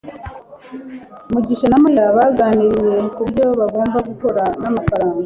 mugisha na mariya baganiriye kubyo bagomba gukora n'amafaranga